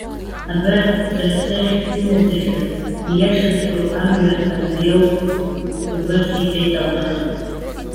Абар, сара сахь инаӡаша, ииашаҵәҟьоу амҩа абри ауп,- убас иҳәеит Аллаҳ.